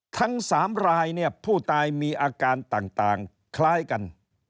ทั้ง๓รายเนี่ยผู้ตายมีอาการต่างคล้ายกัน